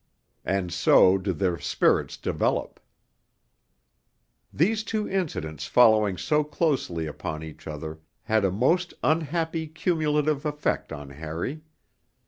And so do their spirits develop. These two incidents following so closely upon each other had a most unhappy cumulative effect on Harry.